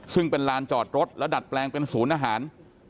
ซึ่งเป็นลานจอดรถและดัดแปลงเป็นศูนย์อาหาร